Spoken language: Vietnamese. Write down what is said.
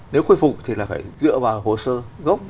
nếu khôi phục thì là phải dựa vào hồ sơ gốc